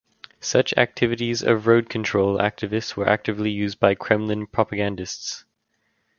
Such activities of Road Control activists were actively used by Kremlin propagandists.